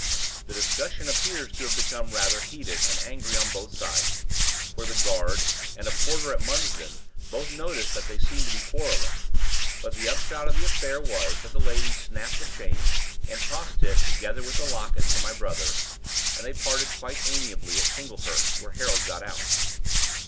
The discussion appears to have become rather heated and angry on both sides, for the guard and a porter at Munsden both noticed that they seemed to be quarrelling; but the upshot of the affair was that the lady snapped the chain, and tossed it together with the locket to my brother, and they parted quite amiably at Shinglehurst, where Harold got out.